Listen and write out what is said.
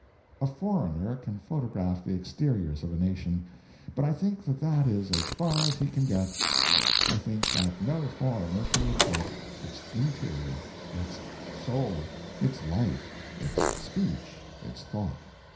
A foreigner can photograph the exteriors of a nation, but I think that that is as far as he can get. I think that no foreigner can report its interior its soul, its life, its speech, its thought.